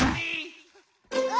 うわ！